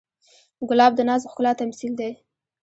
ګلاب د ناز ښکلا تمثیل دی.